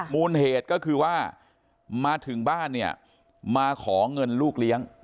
มูลเหตุก็คือว่ามาถึงบ้านเนี่ยมาขอเงินลูกเลี้ยง